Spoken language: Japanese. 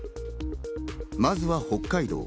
まずは北海道。